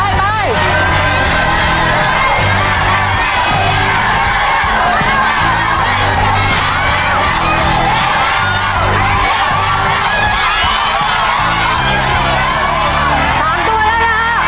ยังพอมีเวลาแม่ยังพอมีเวลาเวลายังดีอยู่ครับ